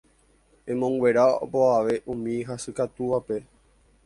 emonguera opavave umi hasykatúvape